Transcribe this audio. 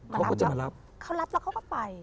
เขารับแล้วเขาก็ไป